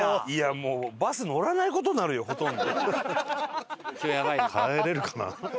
もうバス乗らない事になるよほとんど。